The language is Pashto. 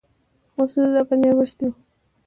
غسل راباندې اوښتى و.